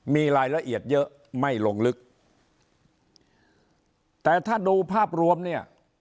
มีรายละเอียดเยอะไม่ลงลึกแต่ถ้าดูภาพรวมเนี่ย